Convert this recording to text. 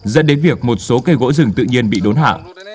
dẫn đến việc một số cây gỗ rừng tự nhiên bị đốn hạ